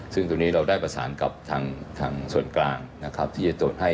ซึ่งตรงนี้เราได้ประสานกับทางส่วนกลางนะครับที่จะตรวจให้